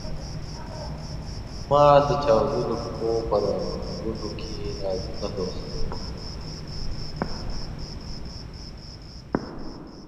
ما د چاودلو پښو په رنګونو کې رازونه لوستلو.